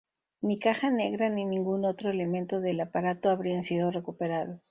Ni caja negra ni ningún otro elemento del aparato habrían sido recuperados.